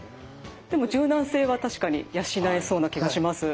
でも柔軟性は確かに養えそうな気がします。